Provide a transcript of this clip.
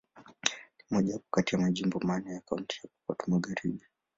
Ni moja kati ya majimbo manne ya Kaunti ya Pokot Magharibi.